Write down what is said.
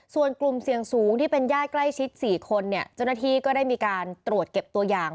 ส่วนกลุ่มเสี่ยงสูงที่เป็นญาติใกล้ชิด๔คนเนี่ยเจ้าหน้าที่ก็ได้มีการตรวจเก็บตัวอย่าง